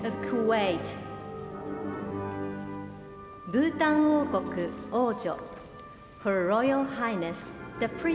ブータン王国王女。